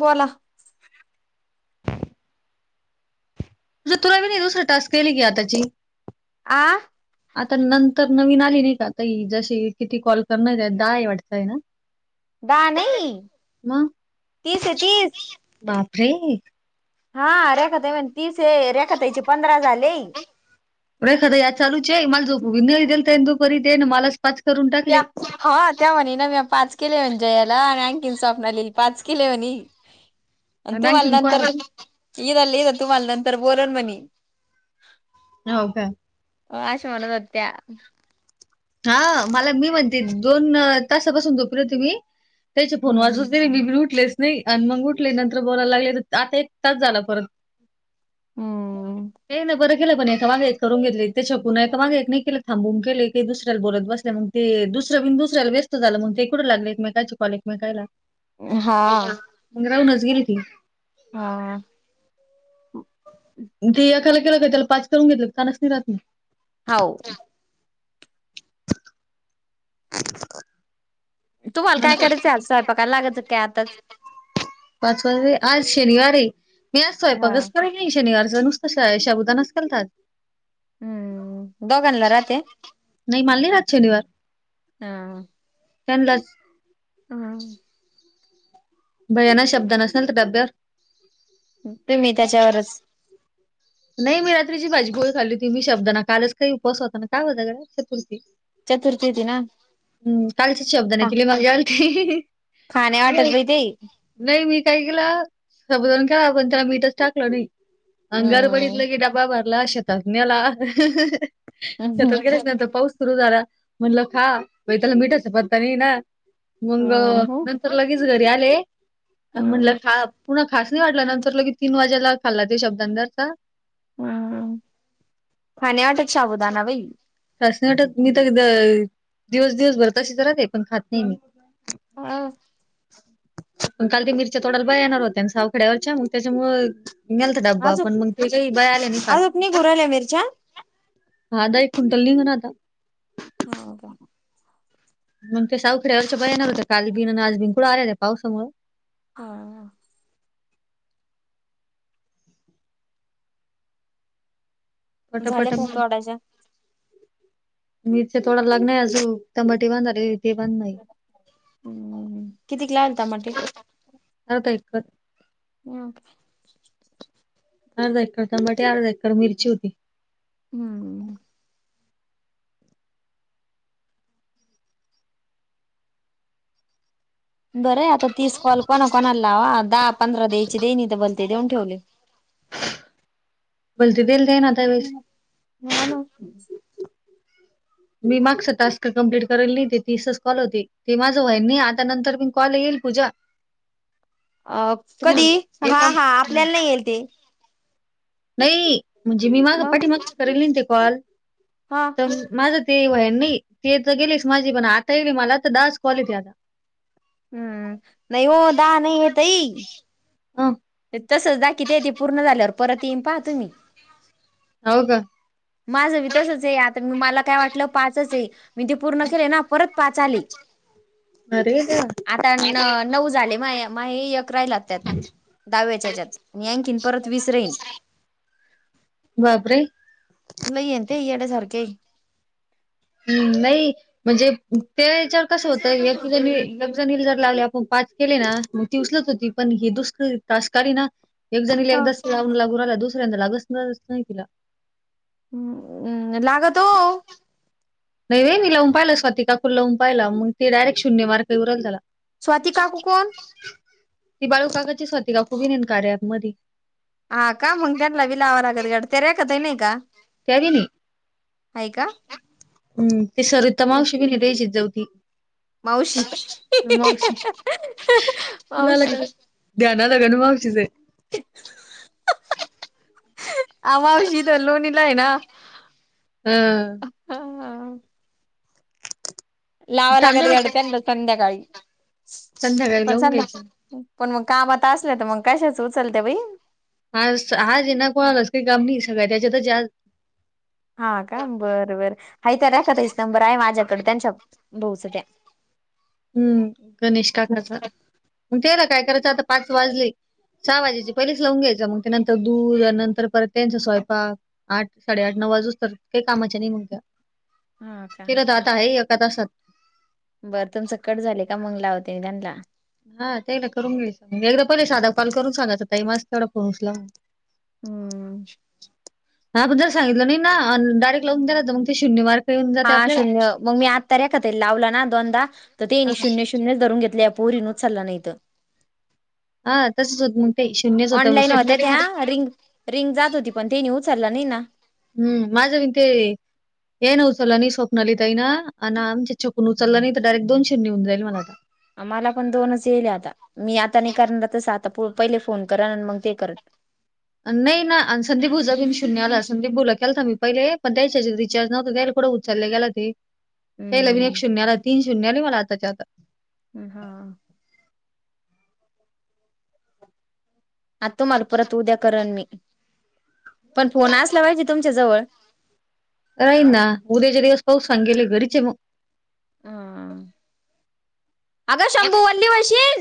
बोला तु तुरावी नाही दुसरं टास्क केली की आताची आ आता नंतर नवीन आली नाही का आता ह जशी किती कॉल करण त्या दय वाटतंय ना. दहा नाही, मग तीस आहे तीस. [unintelligible] हा रेखा ताई म्हणती रेखा ताई चे पंधरा झाले. झोप नाही दिल तेंदुपरी देन मला पाच करून त्या टाकले हा त्या म्हणे ना म्या पाच किले म्हणजे याला आणि आणखीन सपनाली, पाच किले म्हणी आणि आणखीन तुम्हाला कोण नंतर [unintelligible] तुम्हाला नंतर बोरन मणी हो का हो अशा म्हणत होत्या. हा मला मी म्हणते दोन तासापासून झोपली होती मी. त्याचे फोन हम्म वाजूच दे मी बाई उटलेच. नाही आणि मग उठले नंतर, बोलायला लागले आता एक तास झाला परत. हम्म ते ना बरं, [unintelligible] ए माग एक करून घेतली ते कूनय तर माग एक नाही केले थांबून केले. ते दुसऱ्याला बोलत बस मग, ते दुसर बिन दुसऱ्याला व्यस्त झालं मग ते कुठं लागले एकमेकाची कॉललिंग बगायला. हा मग राहूनच गेलं की, हा, [unintelligible] हाव, [inaudible] तुम्हाला काय नंतर करायचं, ये स्वयंपाकायला लागाचच काय आताच. पाच वाजले, आज शनिवार ये. मी आज हा. स्वयंपाकच करायला नाही शनिवारचं. कशात शबुदानच केलाता. हम्म दोघांला राहते. नाही मल नाही राहत शनिवार. हा. त्यांनलाच. हम. भया ना शब्द नसणार तर डब्यावर तुम्ही त्याच्यावरच नाही मी रात्रीची भाजी पोळी खाल्ली होती. मी शाबुदाणा कालच काही उपास होताना काय होता चतुर्थी चतुर्थी होती ना. हम् कालचच शब्दांना न हा केली माझ्या आलती. खाण्या वाटत बाई ते नाही मी काय केलं, साबुदाणा केला पण त्याला मीठच टाकलं नाही, अन गडबडीत हम्म लगे डबा भर ला शेतात न्याला हम्म शेतात गेलाच्या नंतर पाऊस सुरु झालं म्हणलं खा, बाई त्याला मिठाचा पत्ता नाही ना. मग हम्म नंतर लगेच घरी आले. म्हटलं हम्म खा, पुन्हा खास नाही वाटला नंतर लगी तीन वाजेला खाल्ला ते शब्दांना [unintelligible] हम्म खाण्या वाटत साबुदाणा बाई. अस नाही वाटत, मी तर दिवस दिवसभर तशीच राहते पण खात नाही मी हां पण काल ते मिरच्या तोडायला बाई येणार होत्या, सावखड्यावरच्या मग त्याच्यामु नेलता डब्बा अजूक पण मग ते काही बाय आले नाही. अजूक निघू राहिल्या मिरच्या [unintelligible] ह का, मग ते सावखेड्या वरचा बाया येणार होते. काल बिन आणि आज बिन कुठं आले आहे पावसामुळं हा, झाल्या का मग तोडायच्या, मी ते थोडं लग्न आहे अजून त्या मटी बांधाले. ते बांधणार कितीक लागले टमाटे, लावतय खत, हम्, अर्धा एकर टमाटे, अर्धा एकर मिरची होती. हम्म. बरेय आता तीस कॉल कोणा कोणाला लावा. दहा पंधरा द्यायची देणी तर बलते देऊन ठेवले. हा ना [unintelligible] मी मागचं टास्क कम्प्लीट करेल नाही ते तीसच कॉल होते ते माझं वयना आता नंतर मी कॉल येल. पूजा अ कधी तुम्ही हा एका हा आपल्याला नाही येईल ते नाही म्हणजे मी माग मग पाठीमागचं करेल ते कॉल हा तर माझ. ते होईल नाही, ते तर गेलेच माझी पण आता येईलं मला तर दहा कॉल आता. हम्म, नाही हो दहा नाही ताई. अं तसंच दाखित्या ते य ते पूर्ण झाल्यावर परत येईन पहा तुम्ही. हो का. माझ बी तसेंच ये आता मला काय वाटलं पाचचं आहे. मी ते पूर्ण केले ना परत पाच आले. अरे देवा आता नऊ झाले म्हे एक राहिला राहिला त्यात. दहाव्याच्याच्यात मी आणखीन परत वीस राहील. बापरे. लई यात याड्या सारखे. हम्म नाही म्हणजे त्या याच्यावर कसं होतं एक जाणीला. लागले आपण पाच केले ना, म ती उचलत होती पण हे दुसरी तास काडीना ना. एक जणीला एकदा लागू लागला दुसऱ्यांदा लागणारच नाही तिला. हम्म् लागतो नाही व मी लावून पाहिलं स्वाती काकूला लावून पाहिला मग ते डायरेक्ट शून्य मार्के येऊ राहिल त्याला. स्वाती काकू कोण? ती बाळू काकाचीच स्वाती काकू गेली ना कार्या ऍप मदी. हा का मग त्यांना बी लावा लागलं गड ते रेखाताई नाही का? त्या बी नाही. आहे का. हम् ते सरिता मावशी त्याची जाऊ ती. मावशी तुला आले मावशी का. राधा मावशी चं. आ मावशी त लोणी ना ये ना. हम् लाव थांब लागत हं गड्या बेटा, त्यानला संध्याकाळी. संध्याकाळी पण लावून संध्या घ्यायची. पण मग काम आता असले तर मग कशाच उचलते बाई. आज कोणाला चं काम नाहीये सगळे त्याचंतच ये आज. हा का बरं बरं हाय त्या रेखाताई आहेच नंबर आहे माझ्याकडे त्यांच्या भाऊ च त्या हम्म गणेश काकाचा ते ना काय करायचं आता पाच वाजले सहा वाजेचे पहिलीच लावून घ्यायचं मग त्यानंतर दूध नंतर परत त्यांच स्वयंपाक आठ साडेआठ न. वाजच तर काही कामाच्या नाही मग त्या हा आता का केल तं आहे एका तासात. बरं तुमचं कट झाले का मग लावते मी त्यांना. हा त्याला. करून घ्यायचं एकदा साधा कॉल करून सांगायचं माझा तेवढा फोन उचला हम्म हा पण जर सांगितलं नाही ना डायेक्ट लावून दिला मग ते शून्य मार्क येऊन जाते हा आपल्याला. शून्य मग मी आत् रेखा ताईला लावला ना दोनदा तर ते हा नाही शून्य शून्यच धरून घेतले. पोरींनो चल नाही इत [inaudible] तसंच होत मग ते शून्यच होतं मग ऑनलाईन स्वप्न होत्या ते त्या रिंग रिंग जात होती पण त्यांनी उचलला. नाही ना. हम्म माझ वि ते हे ना उचललं नाही स्वप्नाली ताई ना ना आमच्या छकु उचललं नाही तर डायरेक्ट दोन शून्य होऊन जाईल मला आता मला पण दोनच येईल आता मी आता नाही करणार तसं आता पहिले फोन करा आणि मग ते करत. नाही ना संदीप भाऊ ला. शून्य आला संदीप बोला के होता मी पहिले पण त्याच्या रिचार्ज नव्हता त्याला उचलले गेला ते. त्यांना एक हम्म शून्याला तीन शून्या आले आताच्या आता. ् हा [inaudible] आता तुम्हाला परत उद्या करण मी. पण फोन असला पाहिजे तुमच्या जवळ. राही ना उद्याचे दिवस पाहू सांगेले घरीचे आहे मग हम [inaudible] अग शंभू वल्ली वशील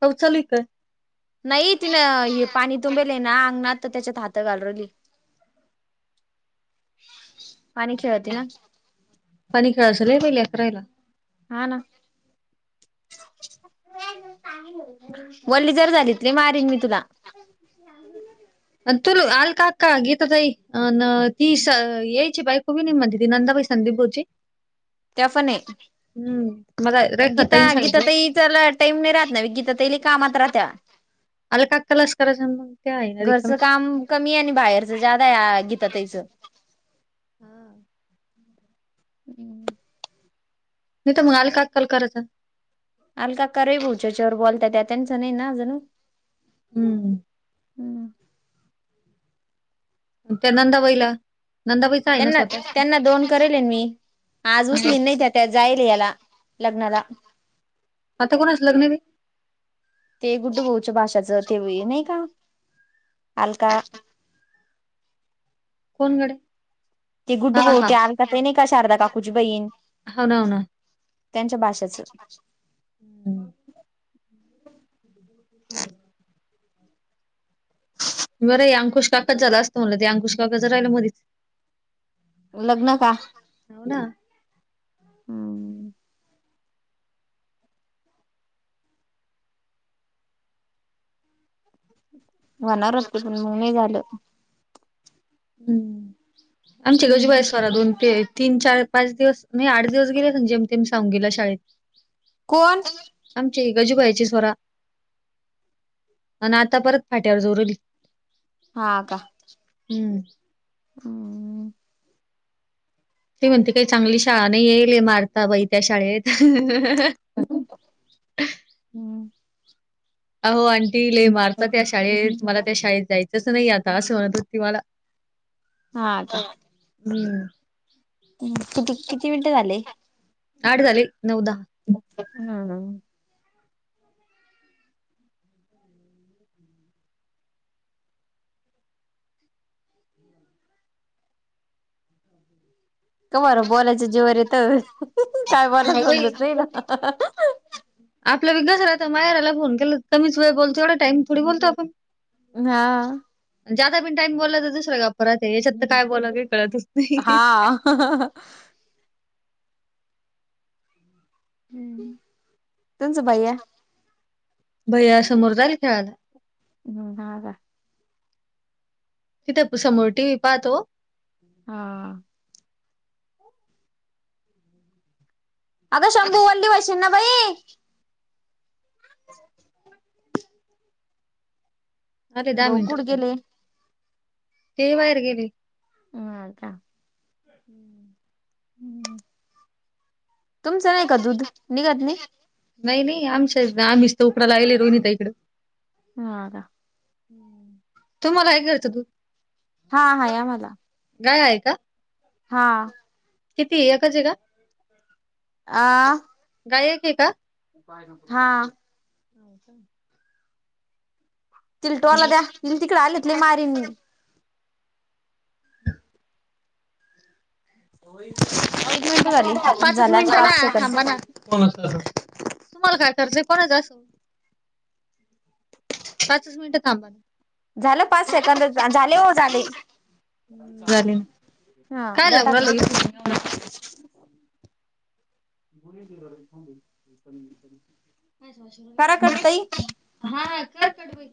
पाऊस चालू आहे काय [inaudible] नाही तिन हे पाणी तुबेले ना अंगणात त्याच्यात हात घालरवली [inaudible] खेळती ना [inaudible] पाणी खेळचलय पहिले अतरायला हा ना [inaudible] वल्ली जर झालीतली मारन मी तुला [inaudible] तु आल काका घेतातई अ ती यायची बाई खूबी नाही म्हणते ती नंदा बै संथडीपोचीी त्या फने [inaudible] हम्म मला [inaudible] पण रेखा गीता ताईन सांगितलं गीताातही त्याला टाईम नाही राहत ना गीतातईली कामात्रह त्या आलं काकालाच करायचं आणि मग ते आहे [inaudible] ना रिकाम घरचं काम कमी आहे आणि बाहेरच जादा आहे घीता त्याचं [inaudible] हा [inaudible] हम्म नाही तर मग आले का कल करायचं. [inaudible] अलका करही भाोच्याच्यावर बोलता त्या त्यांच नाही ना जणू [inaudible] हम्म [inaudible] हम्म [inaudible] त्यानंदा वईला [inaudible] त्यांना त्यांना दोन करेले मी [inaudible] आज हा. उचलीन नाही त्या त्या जाईल याला लग्नला [inaudible] आता कोणाच लग्न ब [inaudible] ते गुड बहच्या भाषाचं तेव नाही का [inaudible] अलका [inaudible] कोण गडे ते गुड हा हा बोते अ कात नाही का शारदा काकूची बहीण हो ना हो ना [inaudible] [inaudible] त्यांच्या भाषेचं [inaudible] हम् [inaudible] बरं अंकुश काका झाला असतो मला ते अंकुश काकाच राहिलं मधच [inaudible] लग्न का ना हम् [inaudible] वनवर होते पण मग नाही झालं [inaudible] [inaudible] हम्म आमचे गजुबाई हम्म. स्वरा दोन तेे तीन चार पाच दिवस म्हणजे आठ दिवस गेले म्हजे ते सांगून गेला शाळेत [inaudible] कोण [inaudible] आमची गजूबायाची स्वरा आणि आता परत फाट्यावर जोरवली [inaudible] हा का [inaudible] हम्म [inaudible] हम्म [inaudible] [inaudible] ती म्हणते काही चांगली शाळा नाही येईल मारता बाई त्या शाळेत ह [inaudible] हम्म. अहो आंटी ले मारता त्या शाळेत मला त्या शाळेत जायचं जस नाही आता असे म्ह त तिवाला [inaudible] हा आ का [inaudible] हम्म [inaudible] किती किती मिनिटे झाले [inaudible] आठ झाले नऊ दहा [inaudible] हम्म का बरं बोलायच जेवर येत काय बोलायला हा बाई समजत नाही ना [inaudible] आपल्या विगसरा मायाराला फोन के कमीच वेळ बोलतोवढे टाईम थोडी बोलतो आपण हा [inaudible] जदा बी टाई बोललो दुसरा परत याच्यात त काय बोला कळतच नाही हा हा. हम्म तुमचं भैया भैया समोर जाल खेळायला हम् हग तिथे समोर टीव्ही पाहातो हा आगं शंभूवल्ली वशीना बाई अ ते दहा भाऊ मिनट कुठं हो गेले ते बाहेर गेले हम आ का हम्म तुमचं नाही का दूध निघत नाही नाही नाही आमच्या आम्हीच तर उकडा लाहिले रोहिनता इकडं ह आ का तू मला काय करतं तू हा हा या मला गाय आहे का हा किती एकच आहे का आ गायक आहे का हा हो का तिल टोला द्या तील तिकडे आलेतर लय मारीन किती मिनिटं झाली पाचच झाल्यात मिनटं पाच ना सेकंद थांबा ना तुम्हाला काय करायचं कोणच असो पाचच मिनिटं थांबाना झालं पाच सेकंद झाले हो झाले झाले ना हा काय द्या लागू टाकून राहिलं. घुली अच हा का कटवा